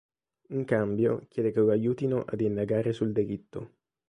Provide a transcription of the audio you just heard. In cambio chiede che lo aiutino ad indagare sul delitto.